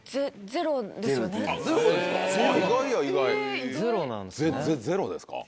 ゼロですか